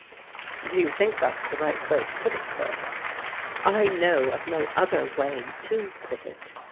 " Do you think that's the right way to put it, sir? "" I know of no other way to put it.